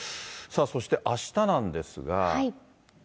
そしてあしたなんですが。